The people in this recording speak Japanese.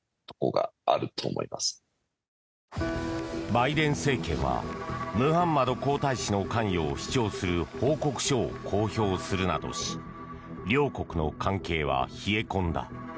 バイデン政権はムハンマド皇太子の関与を主張する報告書を公表するなどし両国の関係は冷え込んだ。